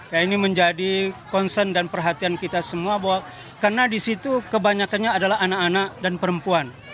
ya ini menjadi concern dan perhatian kita semua bahwa karena di situ kebanyakannya adalah anak anak dan perempuan